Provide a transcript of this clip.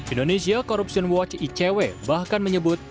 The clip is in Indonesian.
indonesia corruption watch icw bahkan menyebut